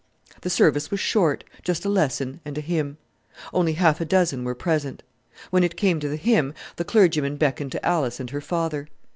The service was short, just a lesson and a hymn. Only half a dozen were present. When it came to the hymn the clergyman beckoned to Alice and her father.